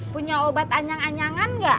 punya obat anjang anyangan gak